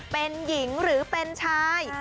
เป็นหญิงหรือเป็นชาย